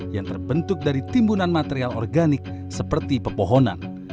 yang terbentuk dari timbunan material organik seperti pepohonan